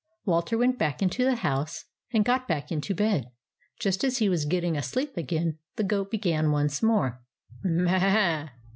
Walter went back into the house, and got back into bed. Just as he was getting asleep again, the goat began once more —" M m a a a